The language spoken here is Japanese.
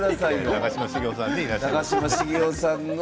長嶋茂雄さんね。